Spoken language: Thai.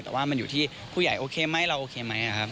แต่ว่ามันอยู่ที่ผู้ใหญ่โอเคไหมเราโอเคไหมครับ